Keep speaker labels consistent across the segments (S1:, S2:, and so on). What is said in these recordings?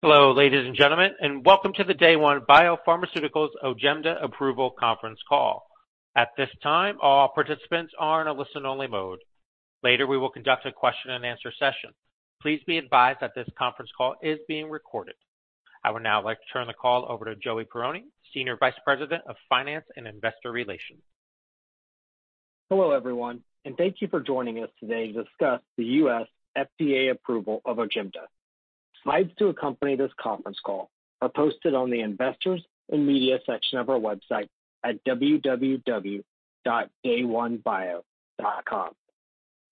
S1: Hello ladies and gentlemen, and welcome to the Day One Biopharmaceuticals OJEMDA approval conference call. At this time, all participants are in a listen-only mode. Later, we will conduct a question-and-answer session. Please be advised that this conference call is being recorded. I would now like to turn the call over to Joey Perrone, Senior Vice President of Finance and Investor Relations.
S2: Hello everyone, and thank you for joining us today to discuss the U.S. FDA approval of OJEMDA. Slides to accompany this conference call are posted on the Investors and Media section of our website at www.dayonebio.com.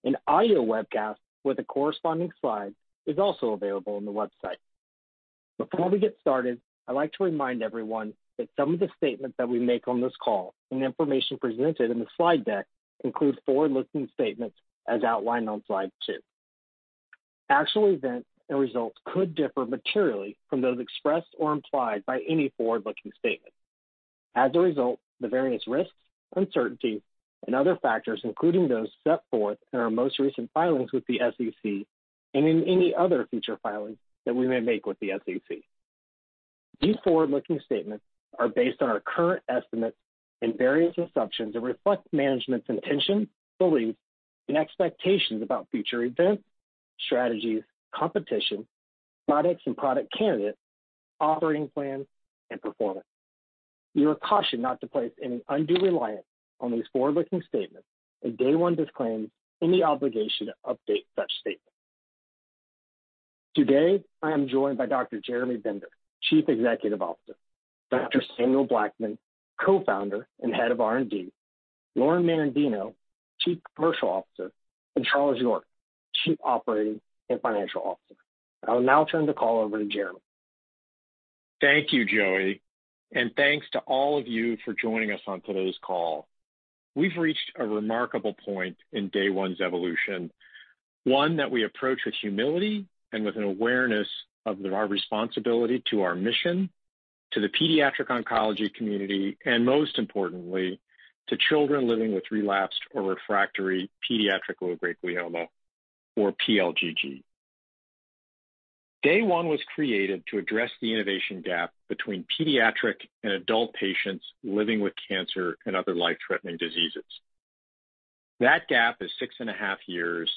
S2: An audio webcast with the corresponding slides is also available on the website. Before we get started, I'd like to remind everyone that some of the statements that we make on this call and information presented in the slide deck include forward-looking statements as outlined on slide two. Actual events and results could differ materially from those expressed or implied by any forward-looking statement. As a result, the various risks, uncertainties, and other factors, including those set forth in our most recent filings with the SEC and in any other future filings that we may make with the SEC. These forward-looking statements are based on our current estimates and various assumptions and reflect management's intentions, beliefs, and expectations about future events, strategies, competition, products and product candidates, offering plans, and performance. We are cautioned not to place any undue reliance on these forward-looking statements, and Day One disclaims any obligation to update such statements. Today, I am joined by Dr. Jeremy Bender, Chief Executive Officer; Dr. Samuel Blackman, Co-founder and Head of R&D; Lauren Merendino, Chief Commercial Officer; and Charles York, Chief Operating and Financial Officer. I will now turn the call over to Jeremy.
S3: Thank you, Joey, and thanks to all of you for joining us on today's call. We've reached a remarkable point in Day One's evolution, one that we approach with humility and with an awareness of our responsibility to our mission, to the pediatric oncology community, and most importantly, to children living with relapsed or refractory pediatric low-grade glioma, or PLGG. Day One was created to address the innovation gap between pediatric and adult patients living with cancer and other life-threatening diseases. That gap is 6.5 years,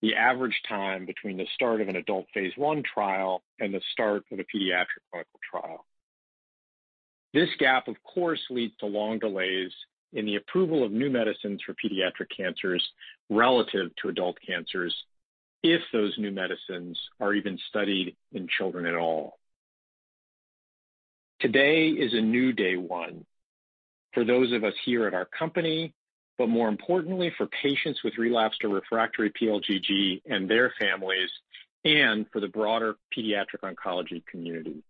S3: the average time between the start of an adult phase I trial and the start of a pediatric clinical trial. This gap, of course, leads to long delays in the approval of new medicines for pediatric cancers relative to adult cancers, if those new medicines are even studied in children at all. Today is a new Day One for those of us here at our company, but more importantly, for patients with relapsed or refractory PLGG and their families, and for the broader pediatric oncology community.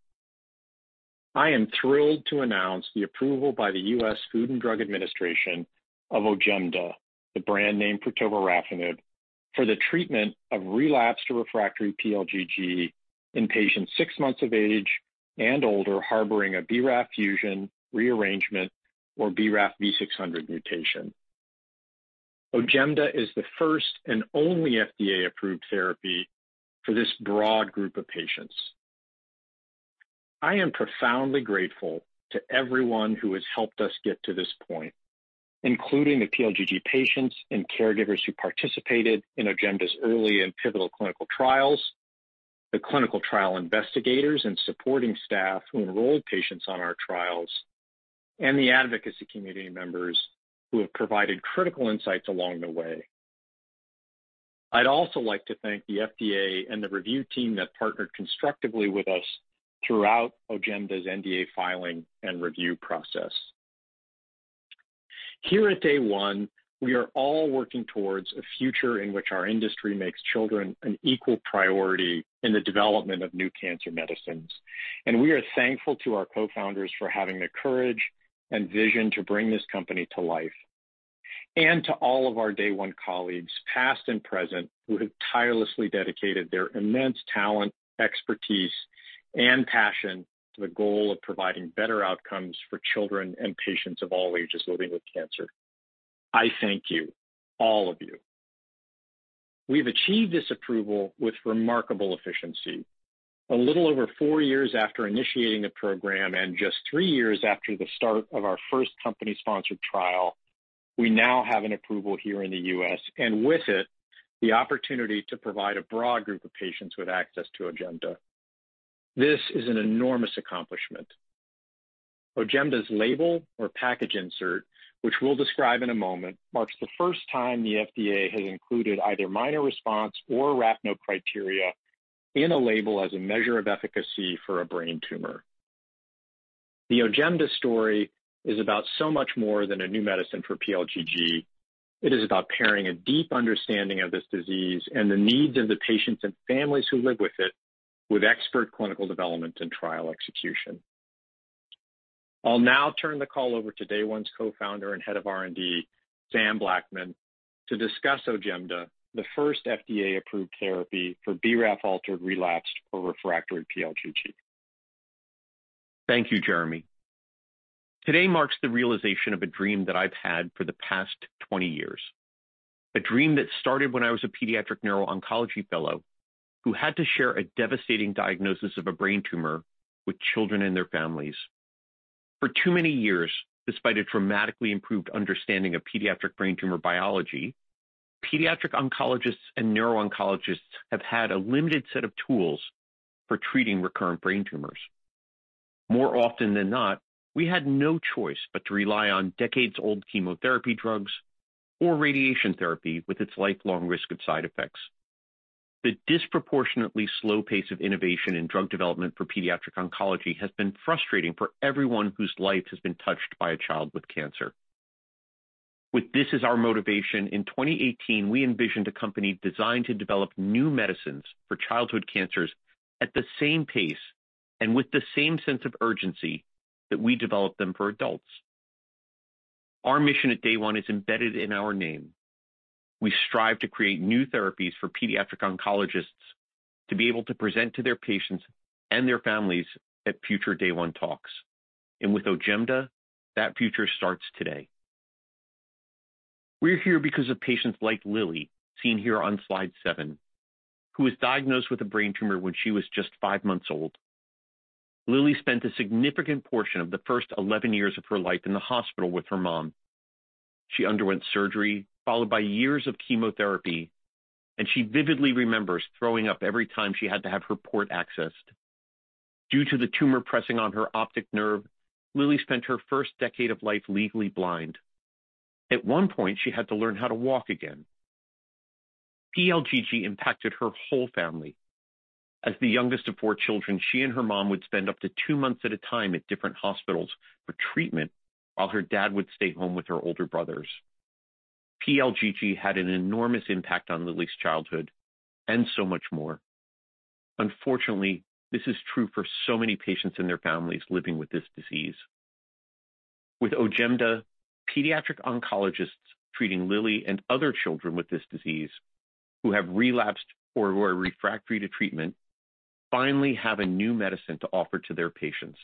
S3: I am thrilled to announce the approval by the U.S. Food and Drug Administration of OJEMDA, the brand name for tovorafenib, for the treatment of relapsed or refractory PLGG in patients six months of age and older harboring a BRAF fusion, rearrangement, or BRAF V600 mutation. OJEMDA is the first and only FDA-approved therapy for this broad group of patients. I am profoundly grateful to everyone who has helped us get to this point, including the PLGG patients and caregivers who participated in OJEMDA's early and pivotal clinical trials, the clinical trial investigators and supporting staff who enrolled patients on our trials, and the advocacy community members who have provided critical insights along the way. I'd also like to thank the FDA and the review team that partnered constructively with us throughout OJEMDA's NDA filing and review process. Here at Day One, we are all working towards a future in which our industry makes children an equal priority in the development of new cancer medicines, and we are thankful to our co-founders for having the courage and vision to bring this company to life. To all of our Day One colleagues, past and present, who have tirelessly dedicated their immense talent, expertise, and passion to the goal of providing better outcomes for children and patients of all ages living with cancer, I thank you, all of you. We've achieved this approval with remarkable efficiency. A little over four years after initiating the program and just three years after the start of our first company-sponsored trial, we now have an approval here in the U.S., and with it, the opportunity to provide a broad group of patients with access to OJEMDA. This is an enormous accomplishment. OJEMDA's label, or package insert, which we'll describe in a moment, marks the first time the FDA has included either minor response or RAPNO criteria in a label as a measure of efficacy for a brain tumor. The OJEMDA story is about so much more than a new medicine for PLGG. It is about pairing a deep understanding of this disease and the needs of the patients and families who live with it with expert clinical development and trial execution. I'll now turn the call over to Day One's co-founder and Head of R&D, Sam Blackman, to discuss OJEMDA, the first FDA-approved therapy for BRAF-altered relapsed or refractory PLGG.
S4: Thank you, Jeremy. Today marks the realization of a dream that I've had for the past 20 years, a dream that started when I was a pediatric neurooncology fellow who had to share a devastating diagnosis of a brain tumor with children and their families. For too many years, despite a dramatically improved understanding of pediatric brain tumor biology, pediatric oncologists and neurooncologists have had a limited set of tools for treating recurrent brain tumors. More often than not, we had no choice but to rely on decades-old chemotherapy drugs or radiation therapy with its lifelong risk of side effects. The disproportionately slow pace of innovation in drug development for pediatric oncology has been frustrating for everyone whose life has been touched by a child with cancer. With this as our motivation, in 2018, we envisioned a company designed to develop new medicines for childhood cancers at the same pace and with the same sense of urgency that we develop them for adults. Our mission at Day One is embedded in our name. We strive to create new therapies for pediatric oncologists to be able to present to their patients and their families at future Day One talks. And with OJEMDA, that future starts today. We're here because of patients like Lily, seen here on Slide seven, who was diagnosed with a brain tumor when she was just five months old. Lily spent a significant portion of the first 11 years of her life in the hospital with her mom. She underwent surgery, followed by years of chemotherapy, and she vividly remembers throwing up every time she had to have her port accessed. Due to the tumor pressing on her optic nerve, Lily spent her first decade of life legally blind. At one point, she had to learn how to walk again. PLGG impacted her whole family. As the youngest of four children, she and her mom would spend up to two months at a time at different hospitals for treatment while her dad would stay home with her older brothers. PLGG had an enormous impact on Lily's childhood and so much more. Unfortunately, this is true for so many patients and their families living with this disease. With OJEMDA, pediatric oncologists treating Lily and other children with this disease who have relapsed or who are refractory to treatment finally have a new medicine to offer to their patients.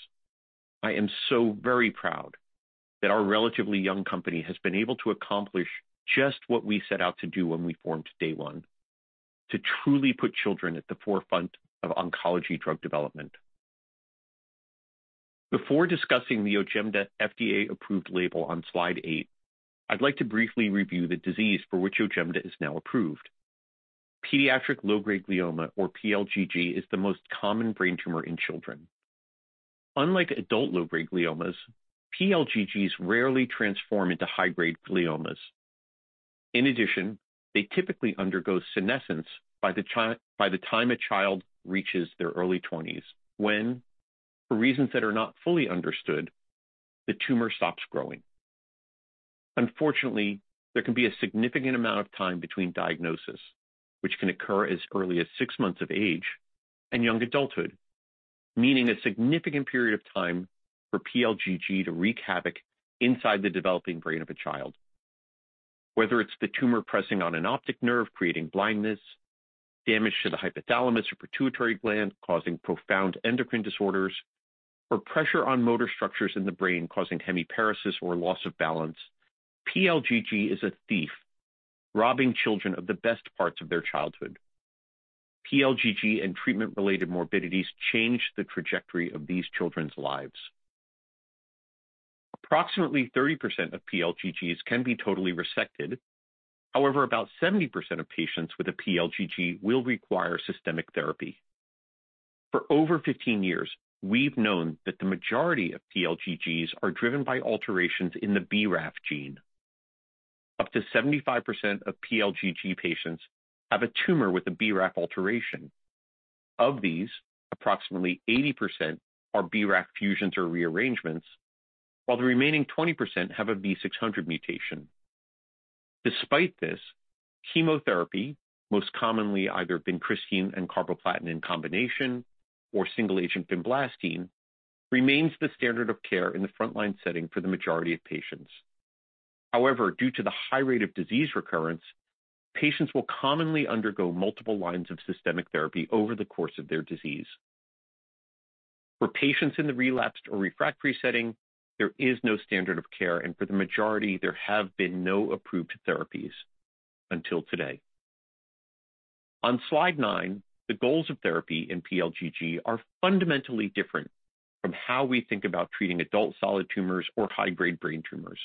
S4: I am so very proud that our relatively young company has been able to accomplish just what we set out to do when we formed Day One, to truly put children at the forefront of oncology drug development. Before discussing the OJEMDA FDA-approved label on Slide eight, I'd like to briefly review the disease for which OJEMDA is now approved. Pediatric low-grade glioma, or PLGG, is the most common brain tumor in children. Unlike adult low-grade gliomas, PLGGs rarely transform into high-grade gliomas. In addition, they typically undergo senescence by the time a child reaches their early 20s when, for reasons that are not fully understood, the tumor stops growing. Unfortunately, there can be a significant amount of time between diagnosis, which can occur as early as 6 months of age, and young adulthood, meaning a significant period of time for PLGG to wreak havoc inside the developing brain of a child. Whether it's the tumor pressing on an optic nerve creating blindness, damage to the hypothalamus or pituitary gland causing profound endocrine disorders, or pressure on motor structures in the brain causing hemiparesis or loss of balance, PLGG is a thief robbing children of the best parts of their childhood. PLGG and treatment-related morbidities changed the trajectory of these children's lives. Approximately 30% of PLGGs can be totally resected. However, about 70% of patients with a PLGG will require systemic therapy. For over 15 years, we've known that the majority of PLGGs are driven by alterations in the BRAF gene. Up to 75% of pLGG patients have a tumor with a BRAF alteration. Of these, approximately 80% are BRAF fusions or rearrangements, while the remaining 20% have a V600 mutation. Despite this, chemotherapy, most commonly either vincristine and carboplatin in combination or single-agent vinblastine, remains the standard of care in the frontline setting for the majority of patients. However, due to the high rate of disease recurrence, patients will commonly undergo multiple lines of systemic therapy over the course of their disease. For patients in the relapsed or refractory setting, there is no standard of care, and for the majority, there have been no approved therapies until today. On Slide nine, the goals of therapy in pLGG are fundamentally different from how we think about treating adult solid tumors or high-grade brain tumors.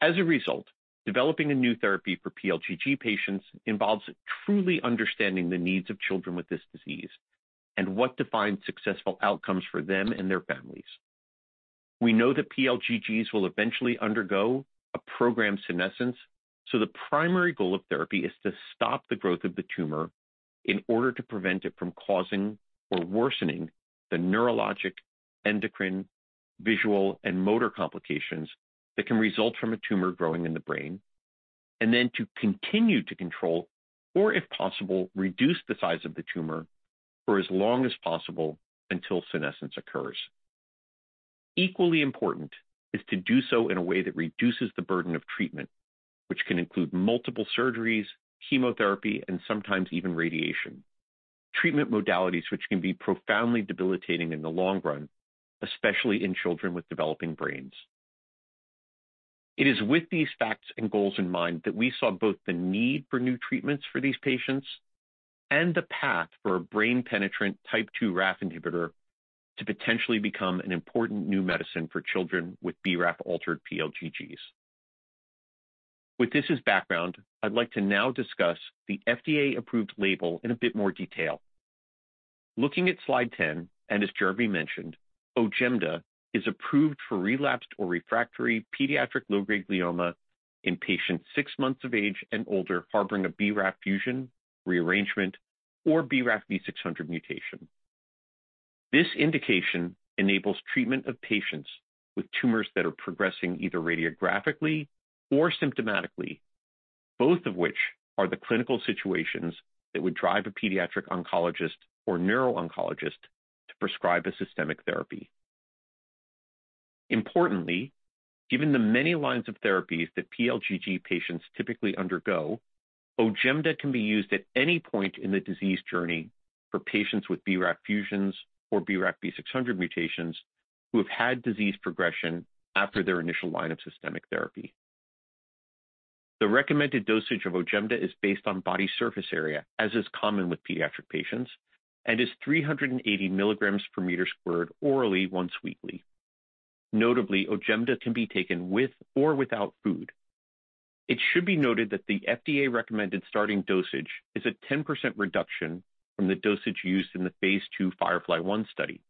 S4: As a result, developing a new therapy for PLGG patients involves truly understanding the needs of children with this disease and what defines successful outcomes for them and their families. We know that PLGGs will eventually undergo a programmed senescence, so the primary goal of therapy is to stop the growth of the tumor in order to prevent it from causing or worsening the neurologic, endocrine, visual, and motor complications that can result from a tumor growing in the brain, and then to continue to control or, if possible, reduce the size of the tumor for as long as possible until senescence occurs. Equally important is to do so in a way that reduces the burden of treatment, which can include multiple surgeries, chemotherapy, and sometimes even radiation treatment modalities, which can be profoundly debilitating in the long run, especially in children with developing brains. It is with these facts and goals in mind that we saw both the need for new treatments for these patients and the path for a brain-penetrant type II RAF inhibitor to potentially become an important new medicine for children with BRAF-altered PLGGs. With this as background, I'd like to now discuss the FDA-approved label in a bit more detail. Looking at Slide 10, and as Jeremy mentioned, OJEMDA is approved for relapsed or refractory pediatric low-grade glioma in patients six months of age and older harboring a BRAF fusion, rearrangement, or BRAF V600 mutation. This indication enables treatment of patients with tumors that are progressing either radiographically or symptomatically, both of which are the clinical situations that would drive a pediatric oncologist or neurooncologist to prescribe a systemic therapy. Importantly, given the many lines of therapies that pLGG patients typically undergo, OJEMDA can be used at any point in the disease journey for patients with BRAF fusions or BRAF V600 mutations who have had disease progression after their initial line of systemic therapy. The recommended dosage of OJEMDA is based on body surface area, as is common with pediatric patients, and is 380 mg/m² orally once weekly. Notably, OJEMDA can be taken with or without food. It should be noted that the FDA-recommended starting dosage is a 10% reduction from the dosage used in the phase II FIREFLY-1 study.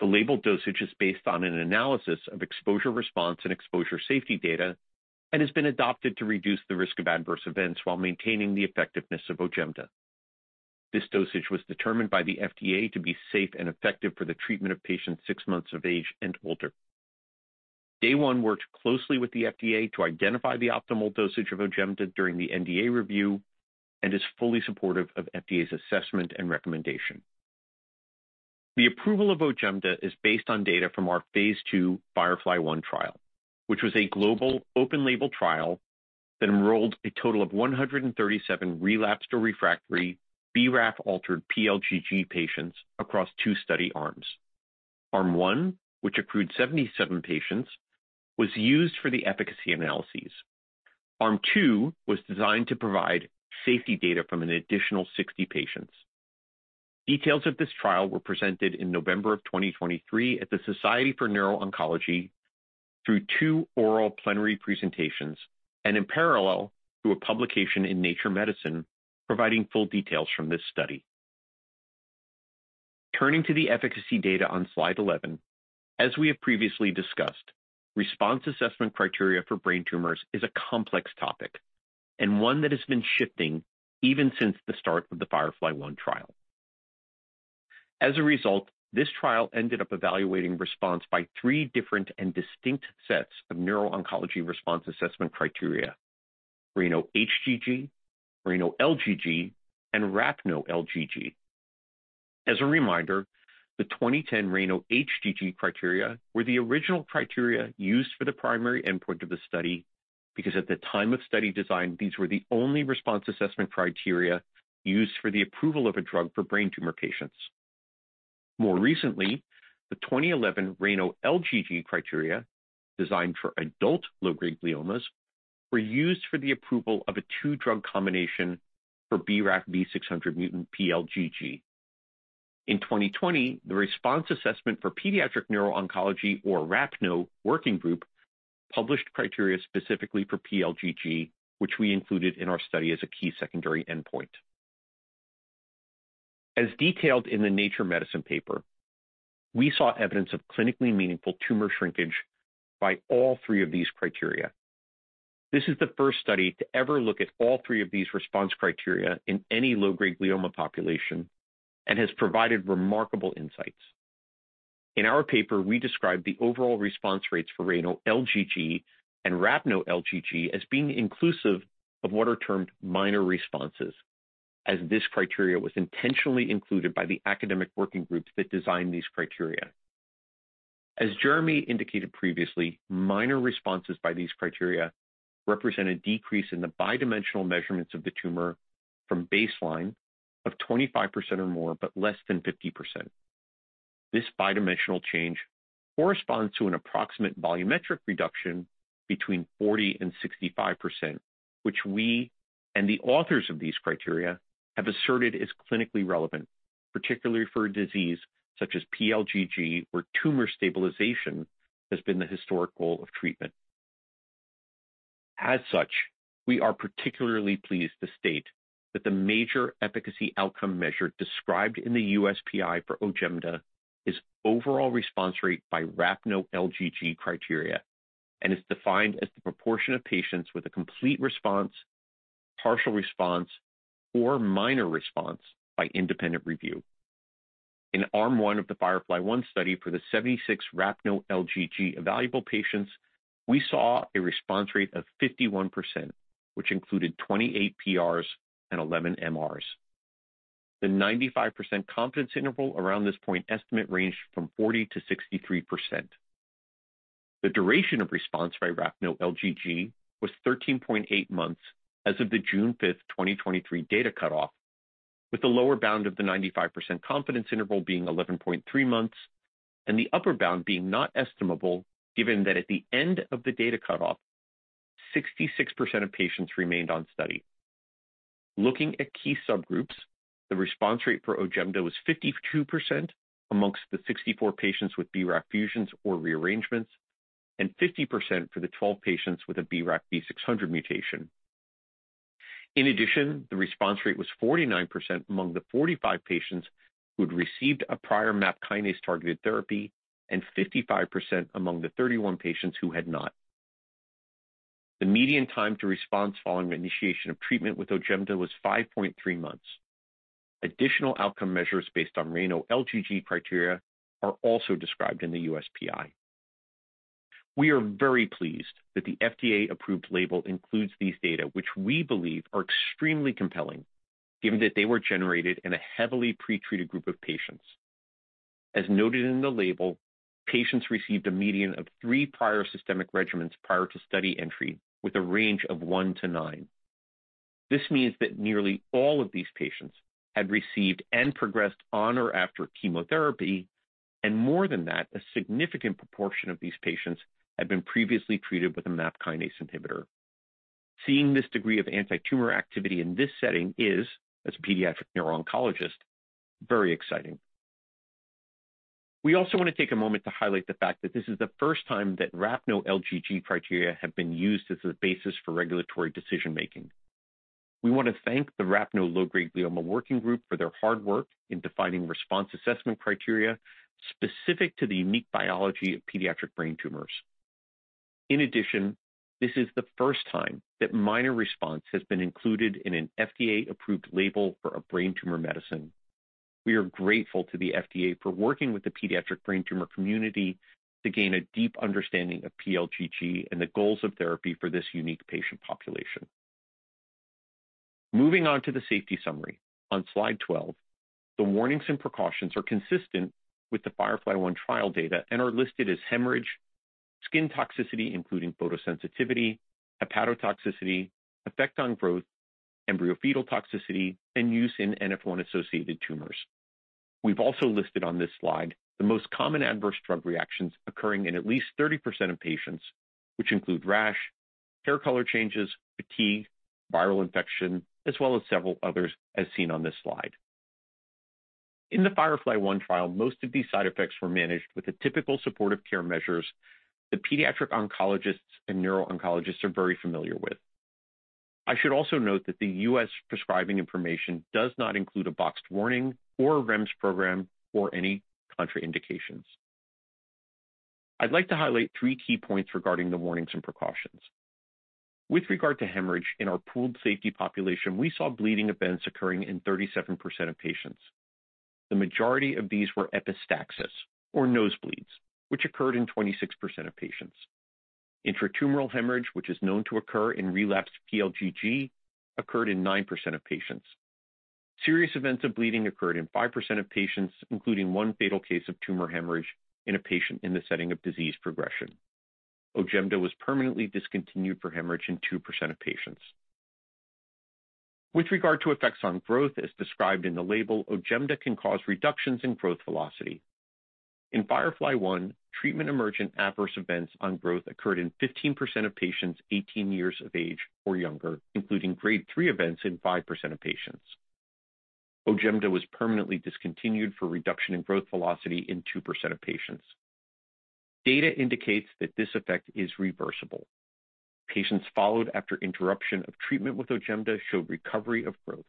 S4: The labeled dosage is based on an analysis of exposure response and exposure safety data and has been adopted to reduce the risk of adverse events while maintaining the effectiveness of OJEMDA. This dosage was determined by the FDA to be safe and effective for the treatment of patients six months of age and older. Day One worked closely with the FDA to identify the optimal dosage of OJEMDA during the NDA review and is fully supportive of FDA's assessment and recommendation. The approval of OJEMDA is based on data from our phase II FIREFLY-1 trial, which was a global open-label trial that enrolled a total of 137 relapsed or refractory BRAF-altered PLGG patients across two study arms. Arm One, which accrued 77 patients, was used for the efficacy analyses. Arm Two was designed to provide safety data from an additional 60 patients. Details of this trial were presented in November of 2023 at the Society for Neuro-Oncology through two oral plenary presentations and in parallel to a publication in Nature Medicine providing full details from this study. Turning to the efficacy data on Slide 11, as we have previously discussed, response assessment criteria for brain tumors is a complex topic and one that has been shifting even since the start of the FIREFLY-1 trial. As a result, this trial ended up evaluating response by three different and distinct sets of neurooncology response assessment criteria: RANO-HGG, RANO-LGG, and RAPNO-LGG. As a reminder, the 2010 RANO-HGG criteria were the original criteria used for the primary endpoint of the study because at the time of study design, these were the only response assessment criteria used for the approval of a drug for brain tumor patients. More recently, the 2011 RANO-LGG criteria designed for adult low-grade gliomas were used for the approval of a two-drug combination for BRAF V600 mutant PLGG. In 2020, the response assessment for pediatric neuro-oncology, or RAPNO, working group published criteria specifically for PLGG, which we included in our study as a key secondary endpoint. As detailed in the Nature Medicine paper, we saw evidence of clinically meaningful tumor shrinkage by all three of these criteria. This is the first study to ever look at all three of these response criteria in any low-grade glioma population and has provided remarkable insights. In our paper, we described the overall response rates for RANO-LGG and RAPNO-LGG as being inclusive of what are termed minor responses, as this criteria was intentionally included by the academic working groups that designed these criteria. As Jeremy indicated previously, minor responses by these criteria represent a decrease in the bi-dimensional measurements of the tumor from baseline of 25% or more but less than 50%. This bi-dimensional change corresponds to an approximate volumetric reduction between 40%-65%, which we and the authors of these criteria have asserted is clinically relevant, particularly for a disease such as PLGG where tumor stabilization has been the historic goal of treatment. As such, we are particularly pleased to state that the major efficacy outcome measure described in the USPI for OJEMDA is overall response rate by RAPNO-LGG criteria and is defined as the proportion of patients with a complete response, partial response, or minor response by independent review. In Arm 1 of the FIREFLY-1 study for the 76 RAPNO-LGG evaluable patients, we saw a response rate of 51%, which included 28 PRs and 11 MRs. The 95% confidence interval around this point estimate ranged from 40%-63%. The duration of response by RAPNO-LGG was 13.8 months as of the June 5th, 2023, data cutoff, with the lower bound of the 95% confidence interval being 11.3 months and the upper bound being not estimable given that at the end of the data cutoff, 66% of patients remained on study. Looking at key subgroups, the response rate for OJEMDA was 52% among the 64 patients with BRAF fusions or rearrangements and 50% for the 12 patients with a BRAF V600 mutation. In addition, the response rate was 49% among the 45 patients who had received a prior MAP kinase targeted therapy and 55% among the 31 patients who had not. The median time to response following initiation of treatment with OJEMDA was 5.3 months. Additional outcome measures based on RANO-LGG criteria are also described in the USPI. We are very pleased that the FDA-approved label includes these data, which we believe are extremely compelling given that they were generated in a heavily pretreated group of patients. As noted in the label, patients received a median of three prior systemic regimens prior to study entry with a range of 1-9. This means that nearly all of these patients had received and progressed on or after chemotherapy, and more than that, a significant proportion of these patients had been previously treated with a MAP kinase inhibitor. Seeing this degree of anti-tumor activity in this setting is, as a pediatric neurooncologist, very exciting. We also want to take a moment to highlight the fact that this is the first time that RAPNO-LGG criteria have been used as a basis for regulatory decision-making. We want to thank the RAPNO-LGG working group for their hard work in defining response assessment criteria specific to the unique biology of pediatric brain tumors. In addition, this is the first time that minor response has been included in an FDA-approved label for a brain tumor medicine. We are grateful to the FDA for working with the pediatric brain tumor community to gain a deep understanding of pLGG and the goals of therapy for this unique patient population. Moving on to the safety summary, on Slide 12, the warnings and precautions are consistent with the FIREFLY-1 trial data and are listed as hemorrhage, skin toxicity including photosensitivity, hepatotoxicity, effect on growth, embryofetal toxicity, and use in NF1-associated tumors. We've also listed on this slide the most common adverse drug reactions occurring in at least 30% of patients, which include rash, hair color changes, fatigue, viral infection, as well as several others as seen on this slide. In the FIREFLY-1 trial, most of these side effects were managed with the typical supportive care measures that pediatric oncologists and neurooncologists are very familiar with. I should also note that the U.S. prescribing information does not include a boxed warning or a REMS program or any contraindications. I'd like to highlight three key points regarding the warnings and precautions. With regard to hemorrhage, in our pooled safety population, we saw bleeding events occurring in 37% of patients. The majority of these were epistaxis or nosebleeds, which occurred in 26% of patients. Intratumoral hemorrhage, which is known to occur in relapsed PLGG, occurred in 9% of patients. Serious events of bleeding occurred in 5% of patients, including one fatal case of tumor hemorrhage in a patient in the setting of disease progression. OJEMDA was permanently discontinued for hemorrhage in 2% of patients. With regard to effects on growth, as described in the label, OJEMDA can cause reductions in growth velocity. In FIREFLY-1, treatment-emergent adverse events on growth occurred in 15% of patients 18 years of age or younger, including grade 3 events in 5% of patients. OJEMDA was permanently discontinued for reduction in growth velocity in 2% of patients. Data indicates that this effect is reversible. Patients followed after interruption of treatment with OJEMDA showed recovery of growth.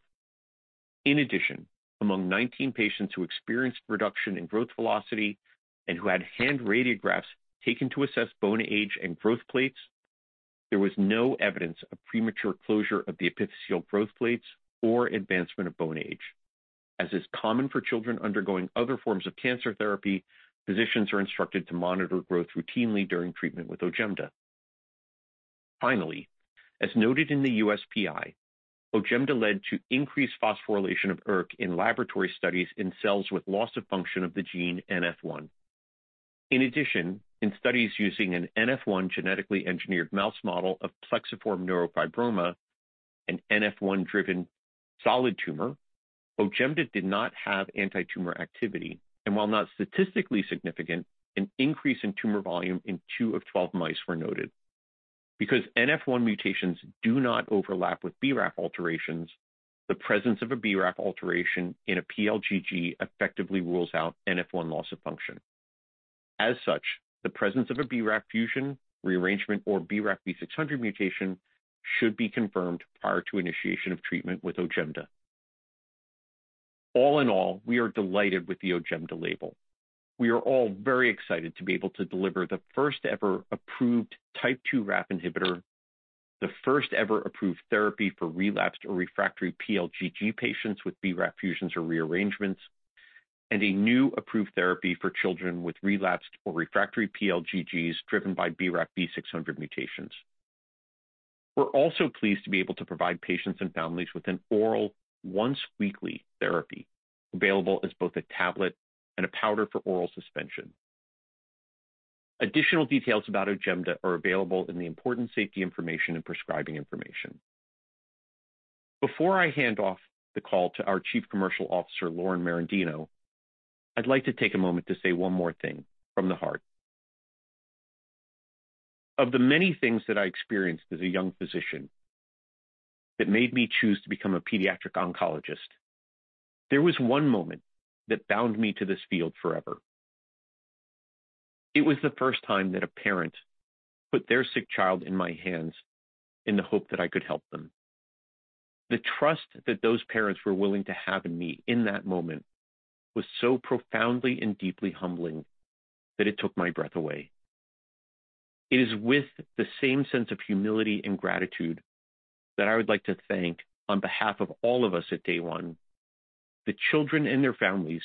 S4: In addition, among 19 patients who experienced reduction in growth velocity and who had hand radiographs taken to assess bone age and growth plates, there was no evidence of premature closure of the epiphyseal growth plates or advancement of bone age. As is common for children undergoing other forms of cancer therapy, physicians are instructed to monitor growth routinely during treatment with OJEMDA. Finally, as noted in the USPI, OJEMDA led to increased phosphorylation of ERK in laboratory studies in cells with loss of function of the gene NF1. In addition, in studies using an NF1 genetically engineered mouse model of plexiform neurofibroma, an NF1-driven solid tumor, OJEMDA did not have anti-tumor activity, and while not statistically significant, an increase in tumor volume in 2/12 mice were noted. Because NF1 mutations do not overlap with BRAF alterations, the presence of a BRAF alteration in a PLGG effectively rules out NF1 loss of function. As such, the presence of a BRAF fusion, rearrangement, or BRAF V600 mutation should be confirmed prior to initiation of treatment with OJEMDA. All in all, we are delighted with the OJEMDA label. We are all very excited to be able to deliver the first-ever approved type II RAF inhibitor, the first-ever approved therapy for relapsed or refractory PLGG patients with BRAF fusions or rearrangements, and a new approved therapy for children with relapsed or refractory PLGGs driven by BRAF V600 mutations. We're also pleased to be able to provide patients and families with an oral once-weekly therapy available as both a tablet and a powder for oral suspension. Additional details about OJEMDA are available in the important safety information and prescribing information. Before I hand off the call to our Chief Commercial Officer, Lauren Merendino, I'd like to take a moment to say one more thing from the heart. Of the many things that I experienced as a young physician that made me choose to become a pediatric oncologist, there was one moment that bound me to this field forever. It was the first time that a parent put their sick child in my hands in the hope that I could help them. The trust that those parents were willing to have in me in that moment was so profoundly and deeply humbling that it took my breath away. It is with the same sense of humility and gratitude that I would like to thank, on behalf of all of us at Day One, the children and their families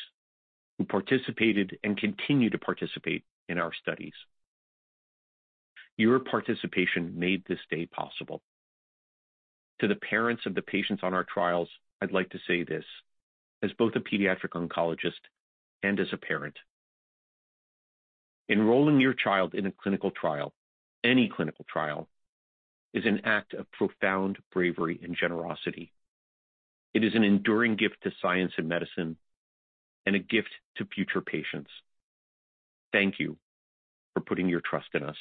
S4: who participated and continue to participate in our studies. Your participation made this day possible. To the parents of the patients on our trials, I'd like to say this as both a pediatric oncologist and as a parent. Enrolling your child in a clinical trial, any clinical trial, is an act of profound bravery and generosity. It is an enduring gift to science and medicine and a gift to future patients. Thank you for putting your trust in us.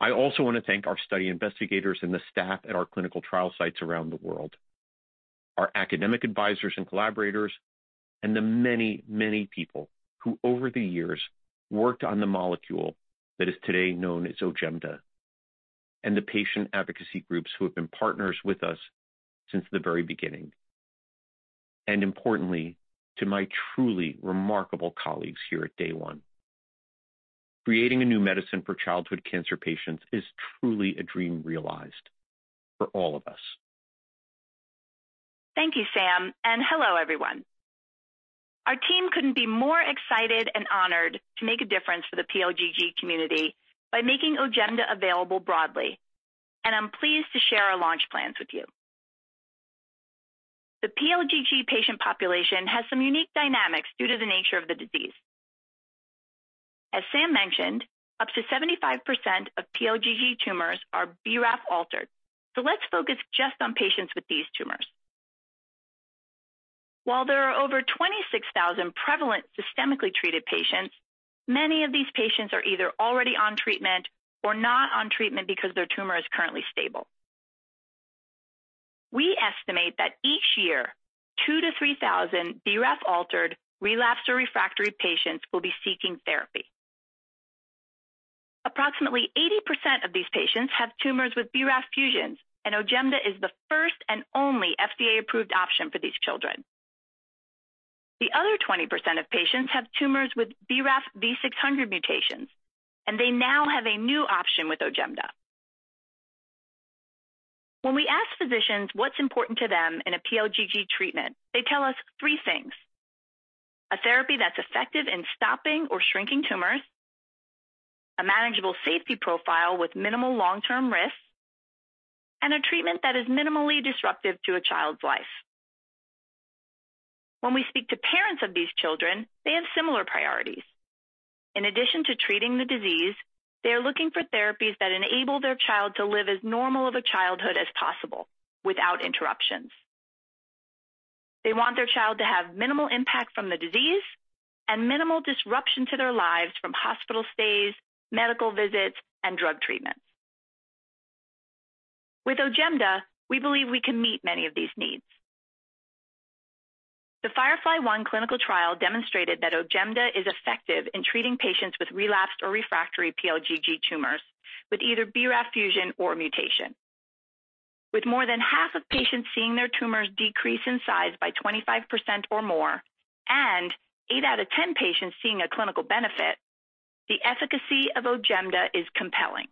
S4: I also want to thank our study investigators and the staff at our clinical trial sites around the world, our academic advisors and collaborators, and the many, many people who, over the years, worked on the molecule that is today known as OJEMDA, and the patient advocacy groups who have been partners with us since the very beginning, and importantly, to my truly remarkable colleagues here at Day One. Creating a new medicine for childhood cancer patients is truly a dream realized for all of us.
S5: Thank you, Sam, and hello, everyone. Our team couldn't be more excited and honored to make a difference for the PLGG community by making OJEMDA available broadly, and I'm pleased to share our launch plans with you. The PLGG patient population has some unique dynamics due to the nature of the disease. As Sam mentioned, up to 75% of PLGG tumors are BRAF-altered, so let's focus just on patients with these tumors. While there are over 26,000 prevalent systemically treated patients, many of these patients are either already on treatment or not on treatment because their tumor is currently stable. We estimate that each year, 2,000-3,000 BRAF-altered, relapsed, or refractory patients will be seeking therapy. Approximately 80% of these patients have tumors with BRAF fusions, and OJEMDA is the first and only FDA-approved option for these children. The other 20% of patients have tumors with BRAF V600 mutations, and they now have a new option with OJEMDA. When we ask physicians what's important to them in a PLGG treatment, they tell us three things: a therapy that's effective in stopping or shrinking tumors, a manageable safety profile with minimal long-term risks, and a treatment that is minimally disruptive to a child's life. When we speak to parents of these children, they have similar priorities. In addition to treating the disease, they are looking for therapies that enable their child to live as normal of a childhood as possible without interruptions. They want their child to have minimal impact from the disease and minimal disruption to their lives from hospital stays, medical visits, and drug treatments. With OJEMDA, we believe we can meet many of these needs. The FIREFLY-1 clinical trial demonstrated that OJEMDA is effective in treating patients with relapsed or refractory PLGG tumors with either BRAF fusion or mutation. With more than half of patients seeing their tumors decrease in size by 25% or more and 8 out of 10 patients seeing a clinical benefit, the efficacy of OJEMDA is compelling.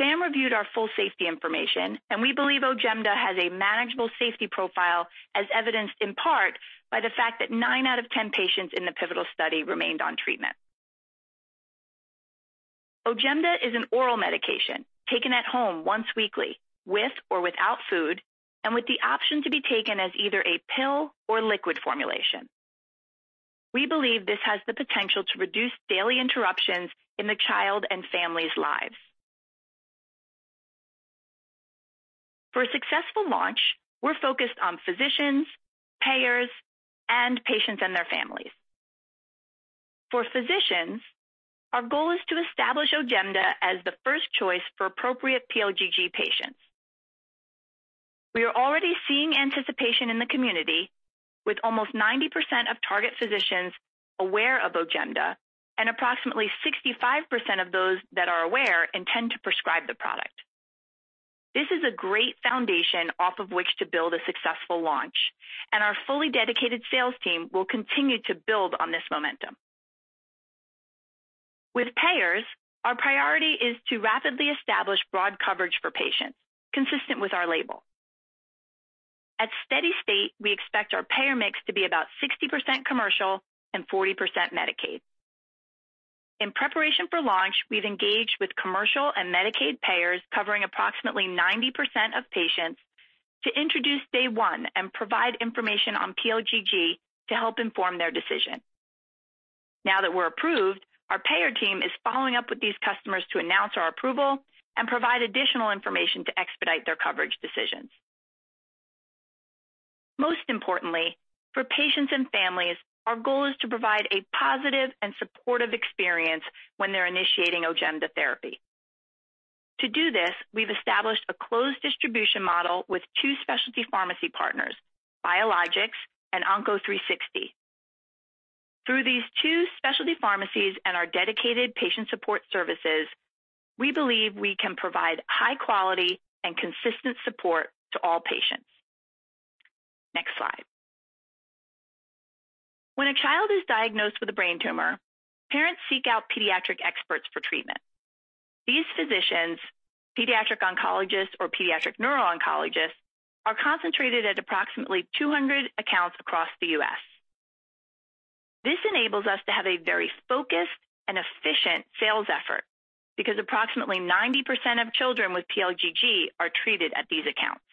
S5: Sam reviewed our full safety information, and we believe OJEMDA has a manageable safety profile, as evidenced in part by the fact that 9 out of 10 patients in the pivotal study remained on treatment. OJEMDA is an oral medication taken at home once weekly with or without food and with the option to be taken as either a pill or liquid formulation. We believe this has the potential to reduce daily interruptions in the child and family's lives. For a successful launch, we're focused on physicians, payers, and patients and their families. For physicians, our goal is to establish OJEMDA as the first choice for appropriate PLGG patients. We are already seeing anticipation in the community, with almost 90% of target physicians aware of OJEMDA and approximately 65% of those that are aware intend to prescribe the product. This is a great foundation off of which to build a successful launch, and our fully dedicated sales team will continue to build on this momentum. With payers, our priority is to rapidly establish broad coverage for patients consistent with our label. At steady state, we expect our payer mix to be about 60% commercial and 40% Medicaid. In preparation for launch, we've engaged with commercial and Medicaid payers covering approximately 90% of patients to introduce Day One and provide information on PLGG to help inform their decision. Now that we're approved, our payer team is following up with these customers to announce our approval and provide additional information to expedite their coverage decisions. Most importantly, for patients and families, our goal is to provide a positive and supportive experience when they're initiating OJEMDA therapy. To do this, we've established a closed distribution model with two specialty pharmacy partners, Biologics and Onco360. Through these two specialty pharmacies and our dedicated patient support services, we believe we can provide high-quality and consistent support to all patients. Next slide. When a child is diagnosed with a brain tumor, parents seek out pediatric experts for treatment. These physicians, pediatric oncologists or pediatric neuro-oncologists, are concentrated at approximately 200 accounts across the U.S. This enables us to have a very focused and efficient sales effort because approximately 90% of children with PLGG are treated at these accounts.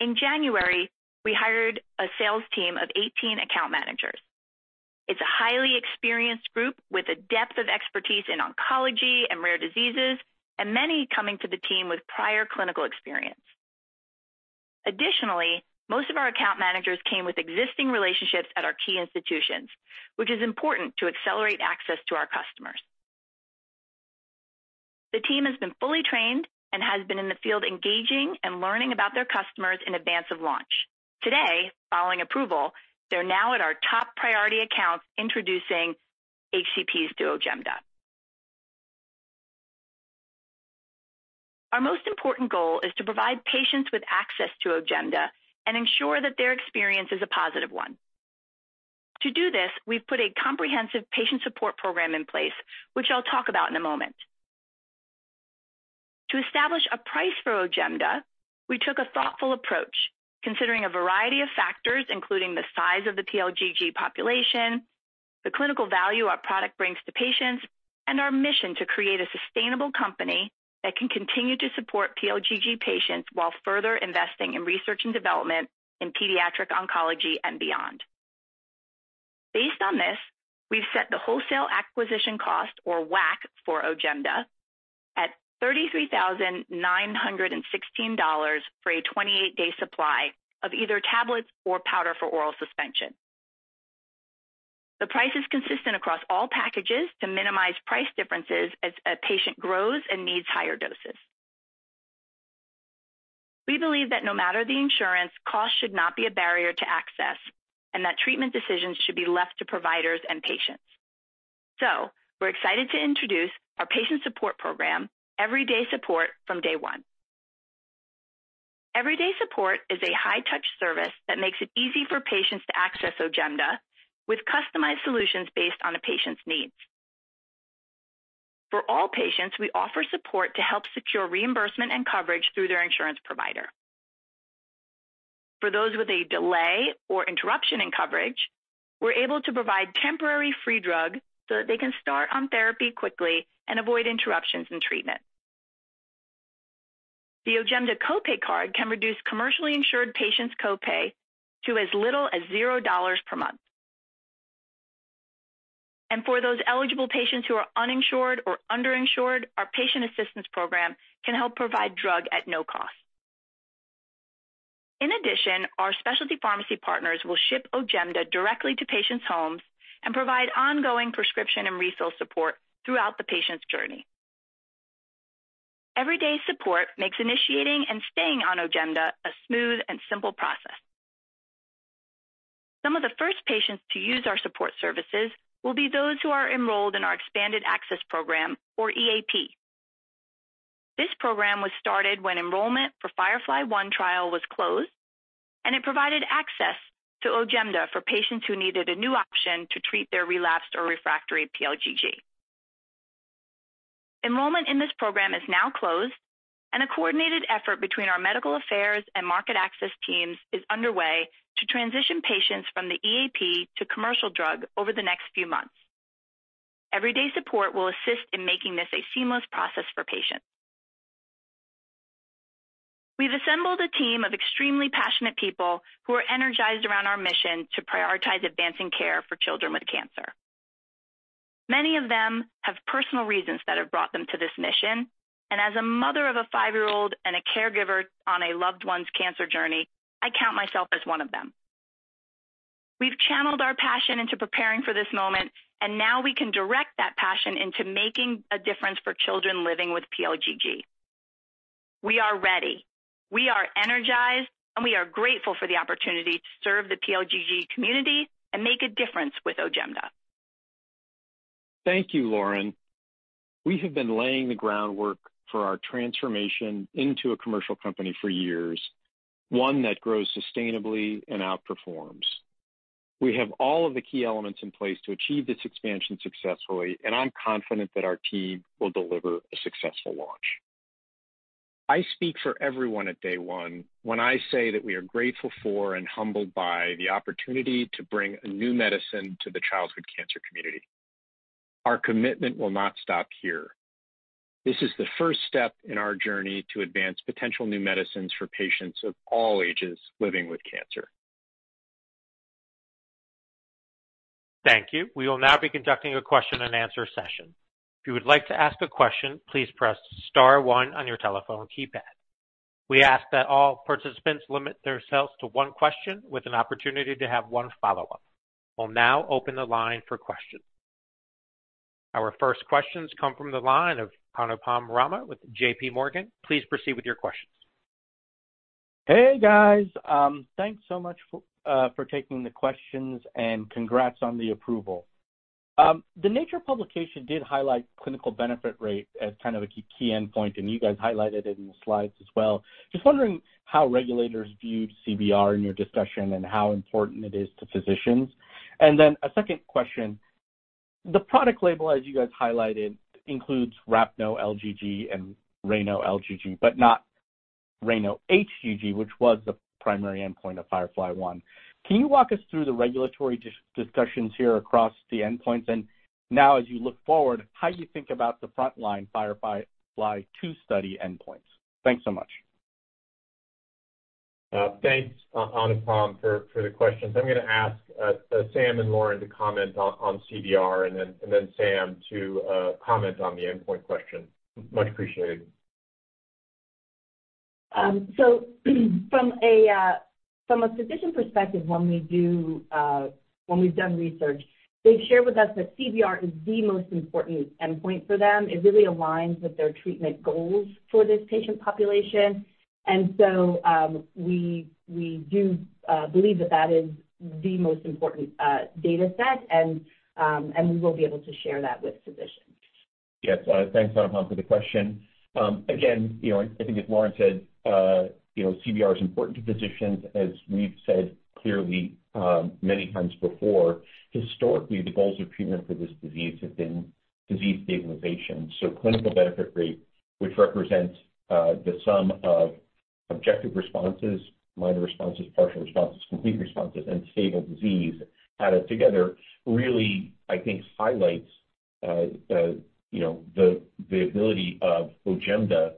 S5: In January, we hired a sales team of 18 account managers. It's a highly experienced group with a depth of expertise in oncology and rare diseases, and many coming to the team with prior clinical experience. Additionally, most of our account managers came with existing relationships at our key institutions, which is important to accelerate access to our customers. The team has been fully trained and has been in the field engaging and learning about their customers in advance of launch. Today, following approval, they're now at our top priority accounts introducing HCPs to OJEMDA. Our most important goal is to provide patients with access to OJEMDA and ensure that their experience is a positive one. To do this, we've put a comprehensive patient support program in place, which I'll talk about in a moment. To establish a price for OJEMDA, we took a thoughtful approach, considering a variety of factors, including the size of the PLGG population, the clinical value our product brings to patients, and our mission to create a sustainable company that can continue to support PLGG patients while further investing in research and development in pediatric oncology and beyond. Based on this, we've set the wholesale acquisition cost, or WAC, for OJEMDA at $33,916 for a 28-day supply of either tablets or powder for oral suspension. The price is consistent across all packages to minimize price differences as a patient grows and needs higher doses. We believe that no matter the insurance, cost should not be a barrier to access, and that treatment decisions should be left to providers and patients. So we're excited to introduce our patient support program, Everyday Support, from Day One. Everyday Support is a high-touch service that makes it easy for patients to access OJEMDA with customized solutions based on a patient's needs. For all patients, we offer support to help secure reimbursement and coverage through their insurance provider. For those with a delay or interruption in coverage, we're able to provide temporary free drug so that they can start on therapy quickly and avoid interruptions in treatment. The OJEMDA copay card can reduce commercially insured patients' copay to as little as $0 per month. For those eligible patients who are uninsured or underinsured, our patient assistance program can help provide drug at no cost. In addition, our specialty pharmacy partners will ship OJEMDA directly to patients' homes and provide ongoing prescription and refill support throughout the patient's journey. Everyday Support makes initiating and staying on OJEMDA a smooth and simple process. Some of the first patients to use our support services will be those who are enrolled in our expanded access program, or EAP. This program was started when enrollment for FIREFLY-1 trial was closed, and it provided access to OJEMDA for patients who needed a new option to treat their relapsed or refractory PLGG. Enrollment in this program is now closed, and a coordinated effort between our medical affairs and market access teams is underway to transition patients from the EAP to commercial drug over the next few months. Everyday Support will assist in making this a seamless process for patients. We've assembled a team of extremely passionate people who are energized around our mission to prioritize advancing care for children with cancer. Many of them have personal reasons that have brought them to this mission, and as a mother of a five-year-old and a caregiver on a loved one's cancer journey, I count myself as one of them. We've channeled our passion into preparing for this moment, and now we can direct that passion into making a difference for children living with PLGG. We are ready. We are energized, and we are grateful for the opportunity to serve the PLGG community and make a difference with OJEMDA.
S3: Thank you, Lauren. We have been laying the groundwork for our transformation into a commercial company for years, one that grows sustainably and outperforms. We have all of the key elements in place to achieve this expansion successfully, and I'm confident that our team will deliver a successful launch. I speak for everyone at Day One when I say that we are grateful for and humbled by the opportunity to bring a new medicine to the childhood cancer community. Our commitment will not stop here. This is the first step in our journey to advance potential new medicines for patients of all ages living with cancer.
S1: Thank you. We will now be conducting a question-and-answer session. If you would like to ask a question, please press star one on your telephone keypad. We ask that all participants limit themselves to one question with an opportunity to have one follow-up. We'll now open the line for questions. Our first questions come from the line of Anupam Rama with J.P. Morgan. Please proceed with your questions.
S6: Hey, guys. Thanks so much for taking the questions, and congrats on the approval. The Nature publication did highlight clinical benefit rate as kind of a key endpoint, and you guys highlighted it in the slides as well. Just wondering how regulators viewed CBR in your discussion and how important it is to physicians. And then a second question. The product label, as you guys highlighted, includes RAPNO-LGG and RANO-LGG, but not RANO-HGG, which was the primary endpoint of FIREFLY-1. Can you walk us through the regulatory discussions here across the endpoints and now, as you look forward, how you think about the frontline FIREFLY-2 study endpoints? Thanks so much.
S3: Thanks, Anupam, for the questions. I'm going to ask Sam and Lauren to comment on CBR, and then Sam to comment on the endpoint question. Much appreciated.
S5: From a physician perspective, when we've done research, they've shared with us that CBR is the most important endpoint for them. It really aligns with their treatment goals for this patient population. We do believe that that is the most important dataset, and we will be able to share that with physicians.
S4: Yes. Thanks, Anupam, for the question. Again, I think, as Lauren said, CBR is important to physicians, as we've said clearly many times before. Historically, the goals of treatment for this disease have been disease stabilization. So clinical benefit rate, which represents the sum of objective responses, minor responses, partial responses, complete responses, and stable disease added together, really, I think, highlights the ability of OJEMDA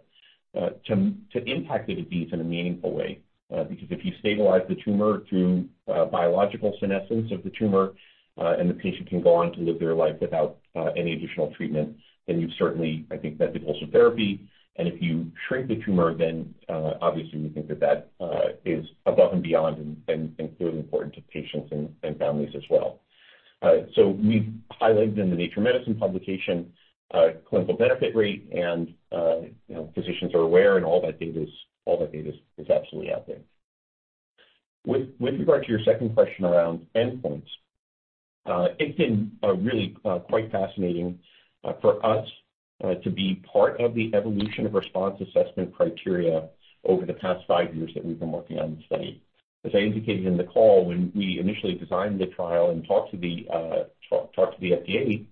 S4: to impact the disease in a meaningful way. Because if you stabilize the tumor through biological senescence of the tumor and the patient can go on to live their life without any additional treatment, then you've certainly, I think, met the goals of therapy. And if you shrink the tumor, then obviously, we think that that is above and beyond and clearly important to patients and families as well. So we've highlighted in the Nature Medicine publication clinical benefit rate, and physicians are aware, and all that data is absolutely out there. With regard to your second question around endpoints, it's been really quite fascinating for us to be part of the evolution of response assessment criteria over the past five years that we've been working on the study. As I indicated in the call, when we initially designed the trial and talked to the FDA,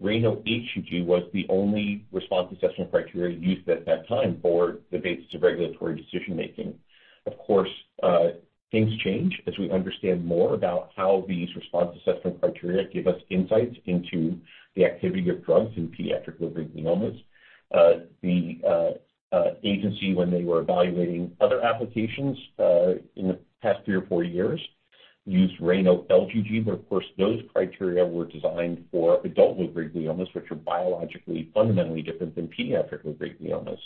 S4: RANO-HGG was the only response assessment criteria used at that time for the basis of regulatory decision-making. Of course, things change as we understand more about how these response assessment criteria give us insights into the activity of drugs in pediatric low-grade gliomas. The agency, when they were evaluating other applications in the past three or four years, used RANO-LGG, but of course, those criteria were designed for adult low-grade gliomas, which are biologically fundamentally different than pediatric low-grade gliomas.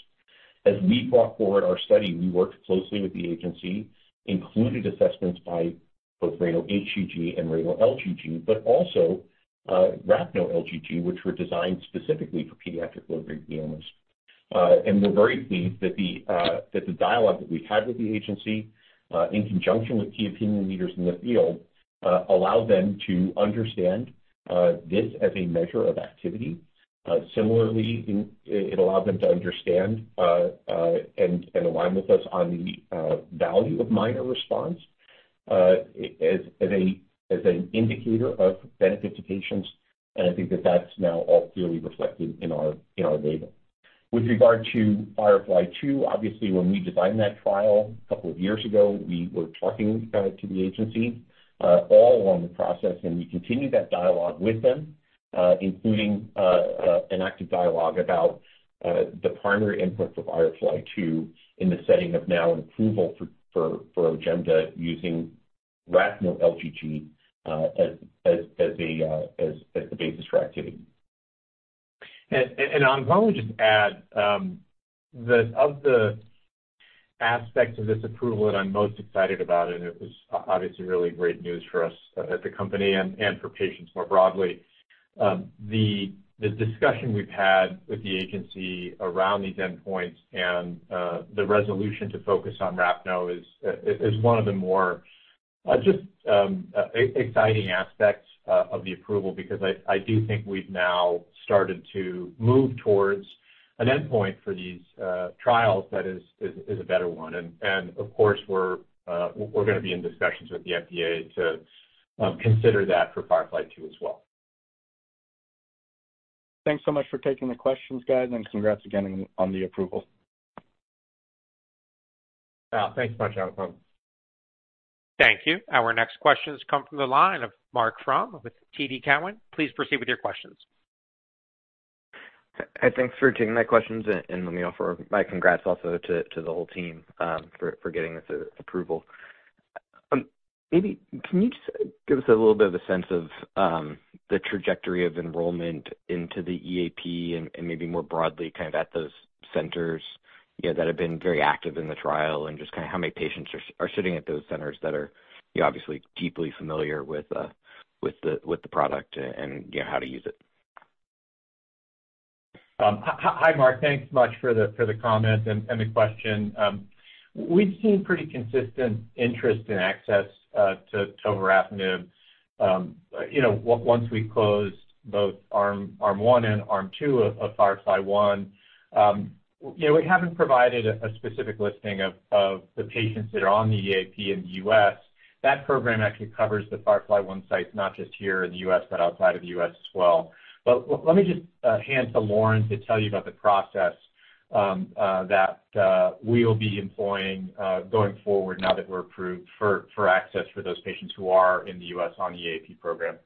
S4: As we brought forward our study, we worked closely with the agency, included assessments by both RANO-HGG and RANO-LGG, but also RAPNO-LGG, which were designed specifically for pediatric low-grade gliomas. We're very pleased that the dialogue that we've had with the agency, in conjunction with key opinion leaders in the field, allowed them to understand this as a measure of activity. Similarly, it allowed them to understand and align with us on the value of minor response as an indicator of benefit to patients. I think that that's now all clearly reflected in our label. With regard to FIREFLY-2, obviously, when we designed that trial a couple of years ago, we were talking to the agency all along the process, and we continue that dialogue with them, including an active dialogue about the primary endpoint for FIREFLY-2 in the setting of now an approval for OJEMDA using RAPNO-LGG as the basis for activity. And I'll probably just add that of the aspects of this approval that I'm most excited about, and it was obviously really great news for us at the company and for patients more broadly. The discussion we've had with the agency around these endpoints and the resolution to focus on RAPNO-LGG is one of the more just exciting aspects of the approval because I do think we've now started to move towards an endpoint for these trials that is a better one. Of course, we're going to be in discussions with the FDA to consider that for FIREFLY-2 as well.
S6: Thanks so much for taking the questions, guys, and congrats again on the approval.
S3: Thanks so much, Anupam.
S1: Thank you. Our next questions come from the line of Marc Frahm with TD Cowen. Please proceed with your questions.
S7: Thanks for taking my questions, and let me offer my congrats also to the whole team for getting this approval. Maybe can you just give us a little bit of a sense of the trajectory of enrollment into the EAP and maybe more broadly kind of at those centers that have been very active in the trial and just kind of how many patients are sitting at those centers that are obviously deeply familiar with the product and how to use it?
S3: Hi, Mark. Thanks much for the comment and the question. We've seen pretty consistent interest and access to tovorafenib once we closed both Arm 1 and Arm 2 of FIREFLY-1. We haven't provided a specific listing of the patients that are on the EAP in the U.S. That program actually covers the FIREFLY-1 sites, not just here in the U.S., but outside of the U.S. as well. But let me just hand to Lauren to tell you about the process that we'll be employing going forward now that we're approved for access for those patients who are in the U.S. on the EAP program.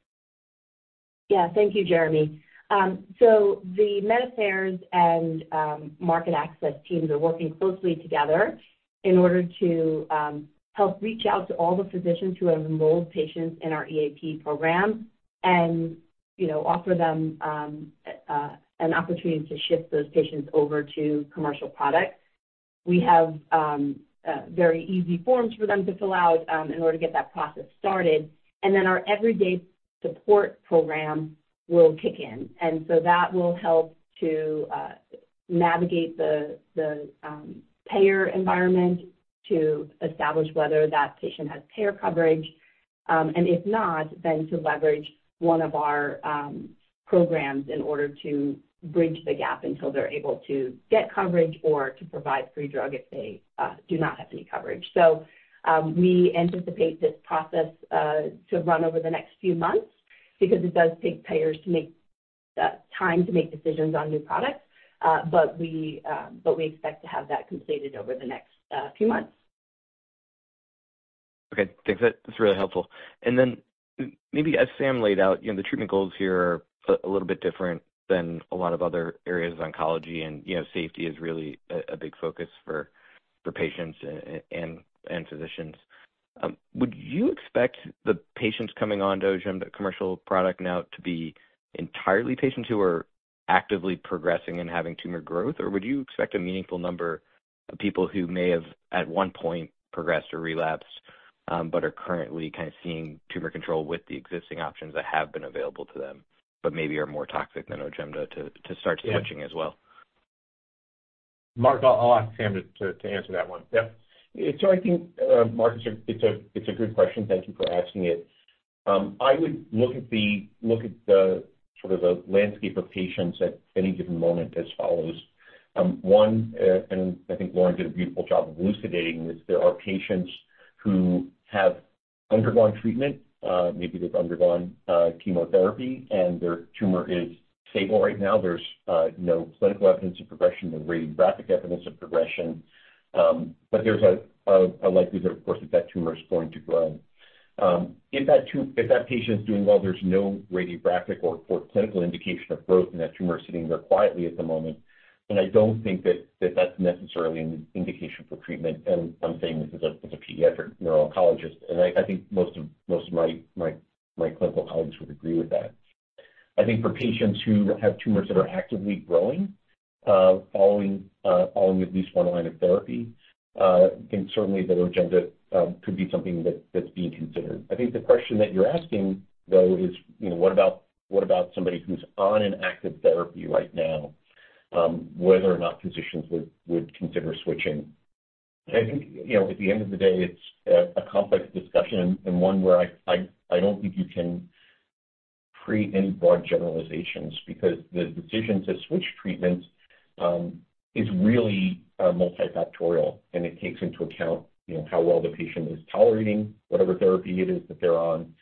S5: Yeah. Thank you, Jeremy. So the Med Affairs and market access teams are working closely together in order to help reach out to all the physicians who have enrolled patients in our EAP program and offer them an opportunity to shift those patients over to commercial products. We have very easy forms for them to fill out in order to get that process started. And then our everyday support program will kick in. And so that will help to navigate the payer environment to establish whether that patient has payer coverage. And if not, then to leverage one of our programs in order to bridge the gap until they're able to get coverage or to provide free drug if they do not have any coverage. We anticipate this process to run over the next few months because it does take payers time to make decisions on new products, but we expect to have that completed over the next few months.
S7: Okay. Thanks. That's really helpful. And then maybe as Sam laid out, the treatment goals here are a little bit different than a lot of other areas of oncology, and safety is really a big focus for patients and physicians. Would you expect the patients coming on to OJEMDA, commercial product now, to be entirely patients who are actively progressing and having tumor growth, or would you expect a meaningful number of people who may have at one point progressed or relapsed but are currently kind of seeing tumor control with the existing options that have been available to them but maybe are more toxic than OJEMDA to start switching as well?
S3: Marc, I'll ask Sam to answer that one.
S4: Yep. So I think, Marc, it's a good question. Thank you for asking it. I would look at the sort of the landscape of patients at any given moment as follows. One, and I think Lauren did a beautiful job of elucidating this, there are patients who have undergone treatment. Maybe they've undergone chemotherapy, and their tumor is stable right now. There's no clinical evidence of progression, no radiographic evidence of progression. But there's a likelihood, of course, that that tumor is going to grow. If that patient is doing well, there's no radiographic or clinical indication of growth, and that tumor is sitting there quietly at the moment. And I don't think that that's necessarily an indication for treatment. And I'm saying this as a pediatric neuro-oncologist. And I think most of my clinical colleagues would agree with that. I think for patients who have tumors that are actively growing following at least one line of therapy, then certainly, the OJEMDA could be something that's being considered. I think the question that you're asking, though, is, what about somebody who's on an active therapy right now, whether or not physicians would consider switching? I think at the end of the day, it's a complex discussion and one where I don't think you can create any broad generalizations because the decision to switch treatments is really multifactorial, and it takes into account how well the patient is tolerating whatever therapy it is that they're on,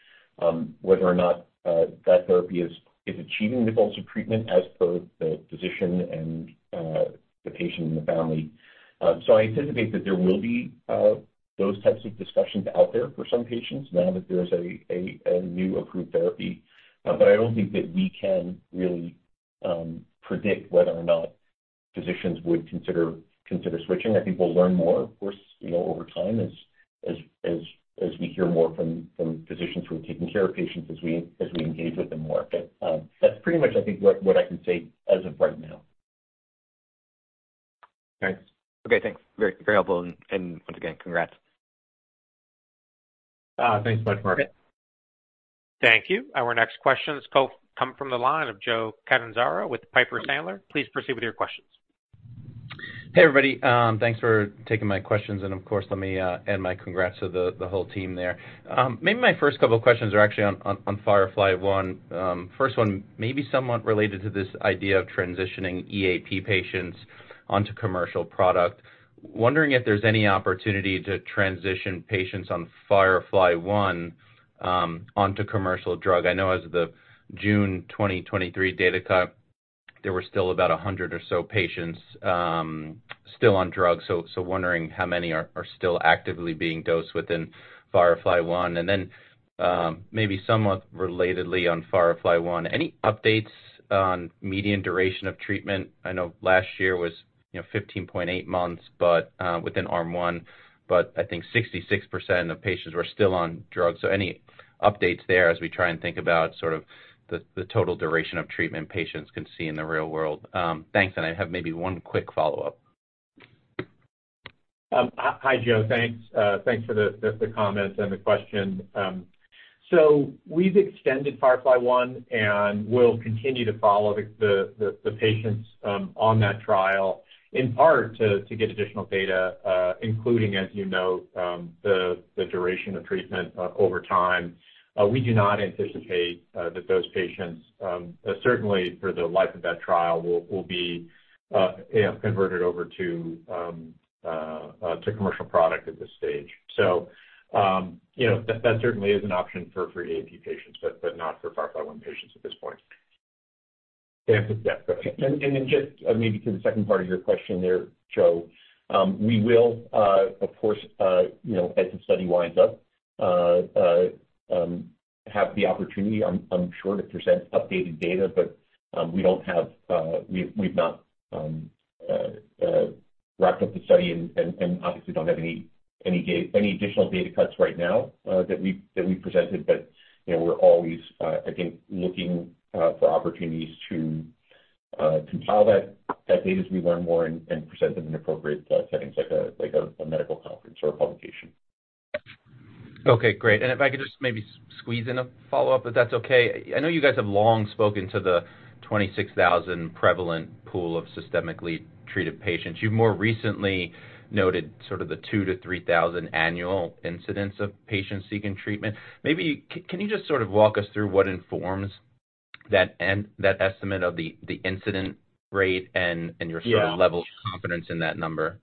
S4: whether or not that therapy is achieving the goals of treatment as per the physician and the patient and the family. So I anticipate that there will be those types of discussions out there for some patients now that there's a new approved therapy. But I don't think that we can really predict whether or not physicians would consider switching. I think we'll learn more, of course, over time as we hear more from physicians who are taking care of patients as we engage with them more. But that's pretty much, I think, what I can say as of right now.
S7: Thanks. Okay. Thanks. Very helpful. Once again, congrats.
S4: Thanks so much, Mark.
S1: Thank you. Our next questions come from the line of Joe Catanzaro with Piper Sandler. Please proceed with your questions.
S8: Hey, everybody. Thanks for taking my questions. And of course, let me end my congrats to the whole team there. Maybe my first couple of questions are actually on FIREFLY-1. First one, maybe somewhat related to this idea of transitioning EAP patients onto commercial product. Wondering if there's any opportunity to transition patients on FIREFLY-1 onto commercial drug. I know as of the June 2023 data cut, there were still about 100 or so patients still on drugs. So wondering how many are still actively being dosed within FIREFLY-1. And then maybe somewhat relatedly on FIREFLY-1, any updates on median duration of treatment? I know last year was 15.8 months within Arm 1, but I think 66% of patients were still on drugs. So any updates there as we try and think about sort of the total duration of treatment patients can see in the real world? Thanks. I have maybe one quick follow-up.
S3: Hi, Joe. Thanks for the comment and the question. So we've extended FIREFLY-1 and will continue to follow the patients on that trial, in part to get additional data, including, as you know, the duration of treatment over time. We do not anticipate that those patients, certainly for the life of that trial, will be converted over to commercial product at this stage. So that certainly is an option for EAP patients, but not for FIREFLY-1 patients at this point.
S8: Yeah.
S3: Go ahead.
S4: And then just maybe to the second part of your question there, Joe, we will, of course, as the study winds up, have the opportunity, I'm sure, to present updated data, but we've not wrapped up the study and obviously don't have any additional data cuts right now that we've presented. We're always, I think, looking for opportunities to compile that data as we learn more and present them in appropriate settings like a medical conference or a publication.
S8: Okay. Great. And if I could just maybe squeeze in a follow-up, if that's okay. I know you guys have long spoken to the 26,000 prevalent pool of systemically treated patients. You've more recently noted sort of the 2,000-3,000 annual incidence of patients seeking treatment. Can you just sort of walk us through what informs that estimate of the incidence rate and your sort of level of confidence in that number?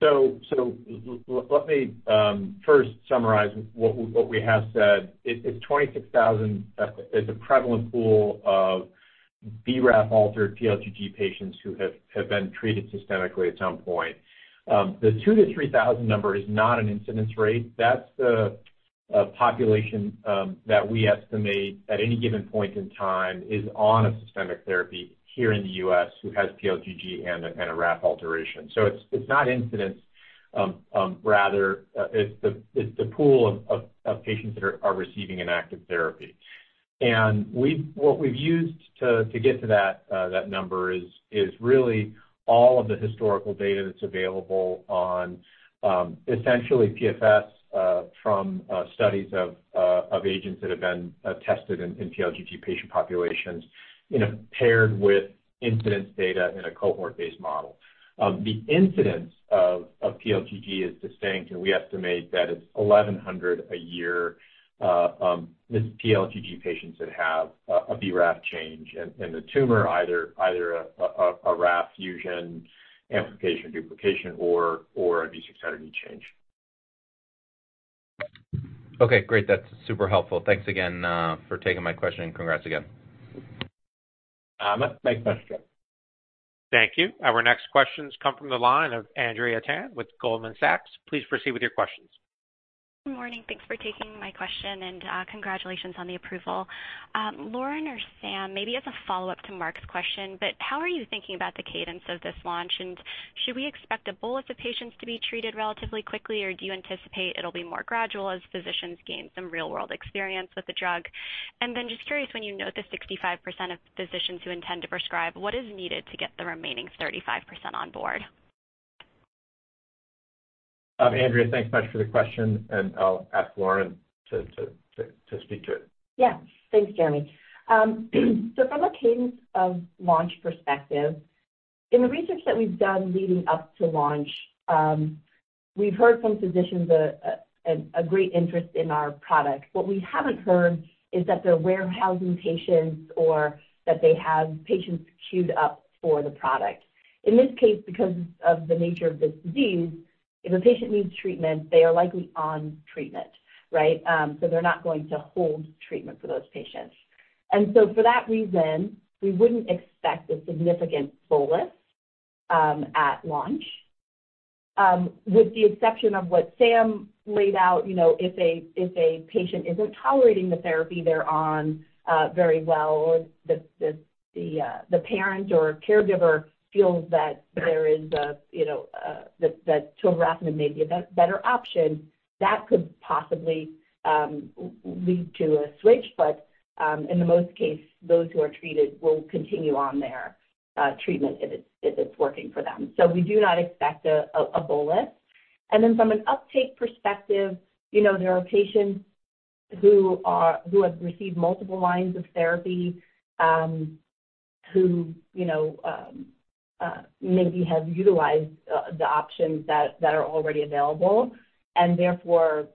S3: So let me first summarize what we have said. It's 26,000 as a prevalent pool of BRAF-altered PLGG patients who have been treated systemically at some point. The 2,000-3,000 number is not an incidence rate. That's the population that we estimate at any given point in time is on a systemic therapy here in the U.S. who has PLGG and a RAF alteration. So it's not incidence. Rather, it's the pool of patients that are receiving an active therapy. And what we've used to get to that number is really all of the historical data that's available on essentially PFS from studies of agents that have been tested in PLGG patient populations paired with incidence data in a cohort-based model. The incidence of PLGG is distinct. We estimate that it's 1,100 a year of PLGG patients that have a BRAF change in the tumor, either a RAF fusion, amplification, duplication, or a V600E change.
S8: Okay. Great. That's super helpful. Thanks again for taking my question, and congrats again.
S3: Nice question, Joe.
S1: Thank you. Our next questions come from the line of Andrea Tan with Goldman Sachs. Please proceed with your questions.
S9: Good morning. Thanks for taking my question, and congratulations on the approval. Lauren or Sam, maybe as a follow-up to Mark's question, but how are you thinking about the cadence of this launch? And should we expect a bolus of patients to be treated relatively quickly, or do you anticipate it'll be more gradual as physicians gain some real-world experience with the drug? And then just curious, when you note the 65% of physicians who intend to prescribe, what is needed to get the remaining 35% on board?
S3: Andrea, thanks much for the question, and I'll ask Lauren to speak to it.
S5: Yeah. Thanks, Jeremy. So from a cadence of launch perspective, in the research that we've done leading up to launch, we've heard from physicians a great interest in our product. What we haven't heard is that they're warehousing patients or that they have patients queued up for the product. In this case, because of the nature of this disease, if a patient needs treatment, they are likely on treatment, right? So they're not going to hold treatment for those patients. And so for that reason, we wouldn't expect a significant bolus at launch. With the exception of what Sam laid out, if a patient isn't tolerating the therapy they're on very well or the parent or caregiver feels that there is a tovorafenib may be a better option, that could possibly lead to a switch. But in most cases, those who are treated will continue on their treatment if it's working for them. So we do not expect a bolus. And then from an uptake perspective, there are patients who have received multiple lines of therapy who maybe have utilized the options that are already available. And therefore,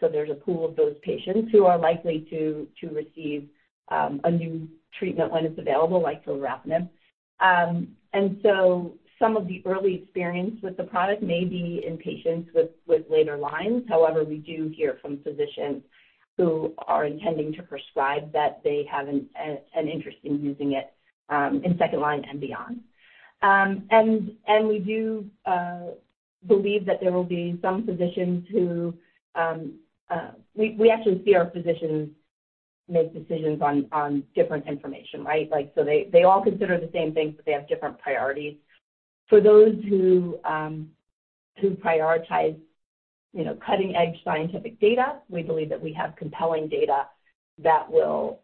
S5: so there's a pool of those patients who are likely to receive a new treatment when it's available, like tovorafenib. And so some of the early experience with the product may be in patients with later lines. However, we do hear from physicians who are intending to prescribe that they have an interest in using it in second-line and beyond. And we do believe that there will be some physicians who we actually see our physicians make decisions on different information, right? So they all consider the same things, but they have different priorities. For those who prioritize cutting-edge scientific data, we believe that we have compelling data that will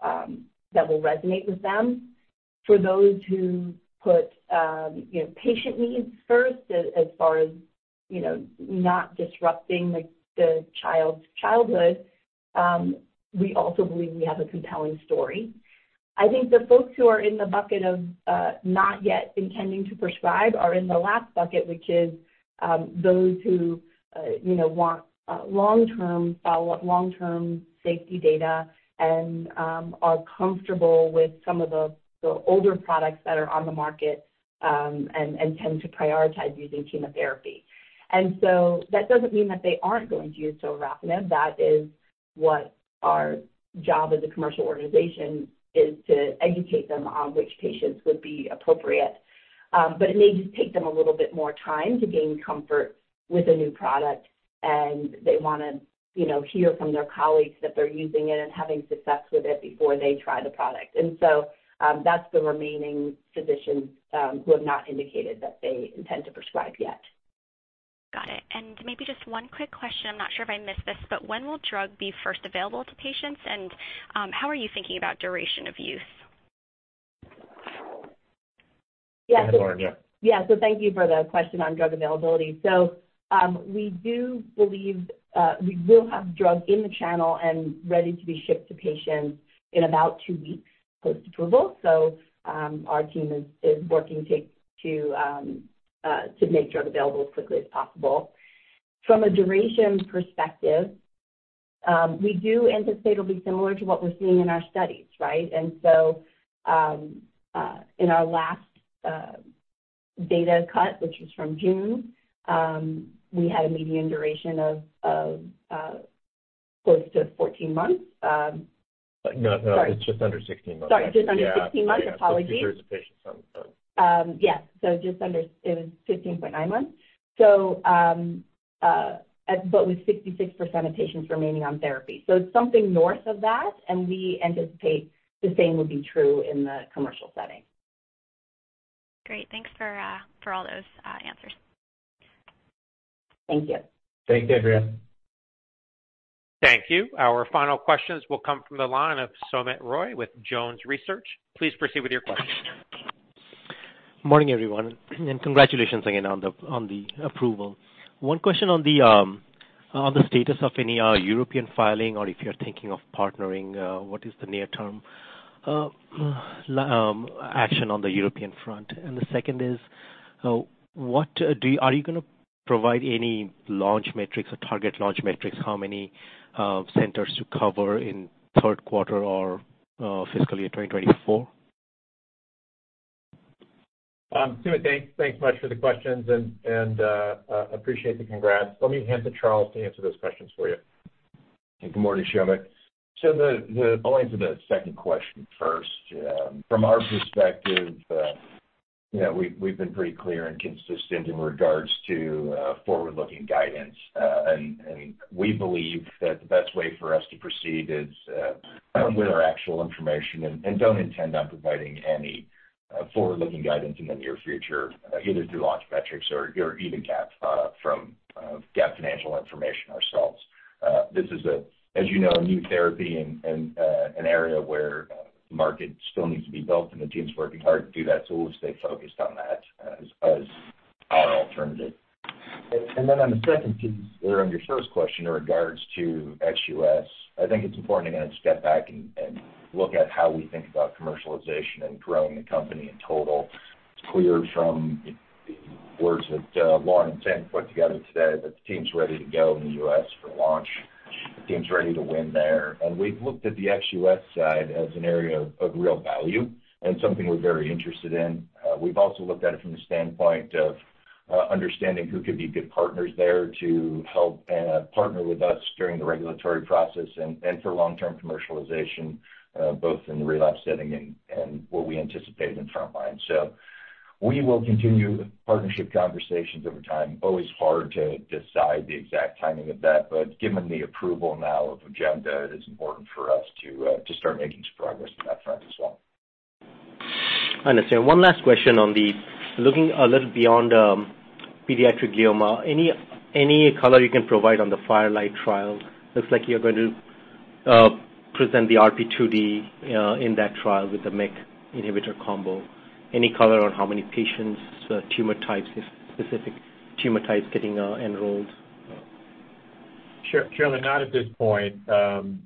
S5: resonate with them. For those who put patient needs first as far as not disrupting the child's childhood, we also believe we have a compelling story. I think the folks who are in the bucket of not yet intending to prescribe are in the last bucket, which is those who want follow-up long-term safety data and are comfortable with some of the older products that are on the market and tend to prioritize using chemotherapy. So that doesn't mean that they aren't going to use tovorafenib. That is what our job as a commercial organization is, to educate them on which patients would be appropriate. But it may just take them a little bit more time to gain comfort with a new product, and they want to hear from their colleagues that they're using it and having success with it before they try the product. And so that's the remaining physicians who have not indicated that they intend to prescribe yet.
S9: Got it. Maybe just one quick question. I'm not sure if I missed this, but when will drug be first available to patients? And how are you thinking about duration of use?
S3: Yeah. Go ahead, Lauren.
S5: Yeah. Yeah. So thank you for the question on drug availability. So we do believe we will have drug in the channel and ready to be shipped to patients in about two weeks post-approval. So our team is working to make drug available as quickly as possible. From a duration perspective, we do anticipate it'll be similar to what we're seeing in our studies, right? And so in our last data cut, which was from June, we had a median duration of close to 14 months. Sorry.
S3: No, no. It's just under 16 months.
S5: Sorry. Just under 16 months. Apologies.
S3: I thought you said the patients on.
S5: Yes. So it was 15.9 months, but with 66% of patients remaining on therapy. So it's something north of that, and we anticipate the same would be true in the commercial setting.
S9: Great. Thanks for all those answers.
S5: Thank you.
S3: Thanks, Andrea.
S1: Thank you. Our final questions will come from the line of Soumit Roy with Jones Research. Please proceed with your questions.
S10: Morning, everyone. Congratulations again on the approval. One question on the status of any European filing, or if you're thinking of partnering, what is the near-term action on the European front? The second is, are you going to provide any launch metrics or target launch metrics? How many centers to cover in third quarter or fiscal year 2024?
S3: Soumit, thanks much for the questions and appreciate the congrats. Let me hand to Charles to answer those questions for you.
S11: Good morning, Soumit. So I'll answer the second question first. From our perspective, we've been pretty clear and consistent in regards to forward-looking guidance. And we believe that the best way for us to proceed is with our actual information and don't intend on providing any forward-looking guidance in the near future, either through launch metrics or even GAAP financial information ourselves. This is, as you know, a new therapy and an area where the market still needs to be built, and the team's working hard to do that. So we'll stay focused on that as our alternative. And then on the second piece that are on your first question in regards to ex-U.S. I think it's important to kind of step back and look at how we think about commercialization and growing the company in total. It's clear from the words that Lauren and Sam put together today that the team's ready to go in the U.S. for launch. The team's ready to win there. And we've looked at the ex-US side as an area of real value and something we're very interested in. We've also looked at it from the standpoint of understanding who could be good partners there to help partner with us during the regulatory process and for long-term commercialization, both in the relapse setting and what we anticipate in front line. So we will continue partnership conversations over time. Always hard to decide the exact timing of that, but given the approval now of Ojemda, it is important for us to start making some progress on that front as well.
S10: Understood. One last question on looking a little beyond pediatric glioma. Any color you can provide on the FIRELIGHT-1 trial? Looks like you're going to present the RP2D in that trial with the MEK inhibitor combo. Any color on how many patients, specific tumor types getting enrolled?
S4: Sure. Currently, not at this point.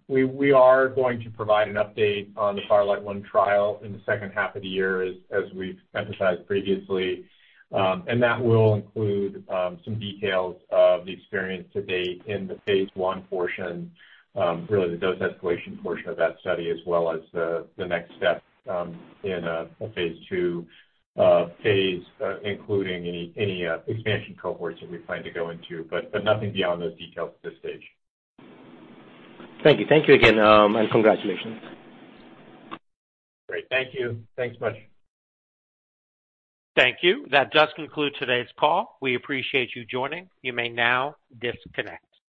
S4: We are going to provide an update on the FIRELIGHT-1 trial in the second half of the year, as we've emphasized previously. That will include some details of the experience to date in the phase I portion, really the dose escalation portion of that study, as well as the next step in a phase II phase, including any expansion cohorts that we plan to go into, but nothing beyond those details at this stage.
S10: Thank you. Thank you again, and congratulations.
S3: Great. Thank you. Thanks much.
S1: Thank you. That does conclude today's call. We appreciate you joining. You may now disconnect.